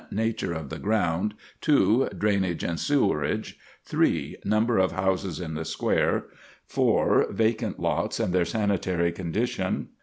Nature of the ground. 2. Drainage and sewerage. 3. Number of houses in the square. 4. Vacant lots and their sanitary condition.